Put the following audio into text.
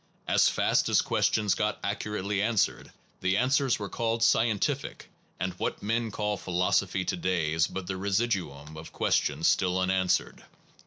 As fast as questions got accurately answered, the answers were called * scientific/ and what men call * philosophy* to day is but the residuum of questions still unanswered.